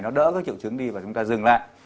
nó đỡ cái triệu chứng đi và chúng ta dừng lại